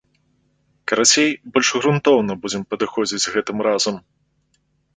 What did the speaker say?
Карацей, больш грунтоўна будзем падыходзіць гэтым разам.